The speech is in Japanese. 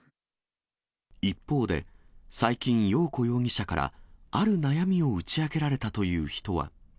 一方で、最近、よう子容疑者から、ある悩みを打ち明けられたという人は。